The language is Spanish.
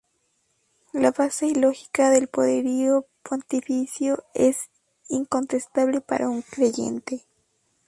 La base lógica del poderío pontificio es incontestable para un creyente.